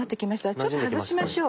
ちょっと外しましょう。